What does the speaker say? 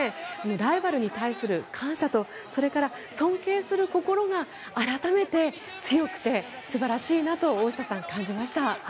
ライバルに対する感謝と尊敬する心が改めて強くて素晴らしいなと感じました。